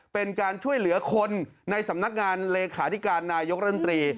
เป็นการช่วยเหลือคนในสำนักงานเลขาธิการนายกรัฐมนตรี